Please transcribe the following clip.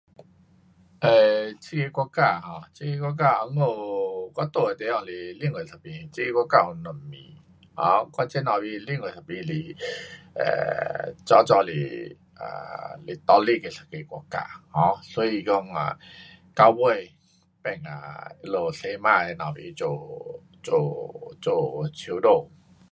[呃，这个国家 um 这个国家温故我住的地方是另外一边，这个国家有两边，um 我这头边另外一边是 um 早早是 um 是独立的一个国家。um 所以讲啊，到尾变讲他们西马那头边做，做首相